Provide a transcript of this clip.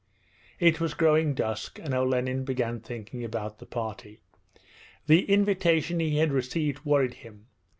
It was growing dusk and Olenin began thinking about the party. The invitation he had received worried him.